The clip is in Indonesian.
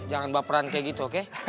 jangan baperan kayak gitu oke